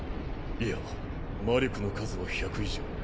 いや魔力の数は１００以上。